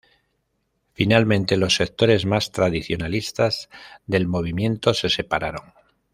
Finalmente, los sectores más tradicionalistas del movimiento se separaron.